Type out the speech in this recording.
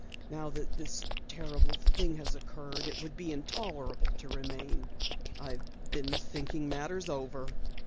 Now that this terrible thing has occurred, it would be intolerable to remain. I've been thinking matters over.